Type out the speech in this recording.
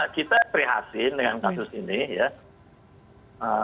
kita prihatin dengan kasus ini ya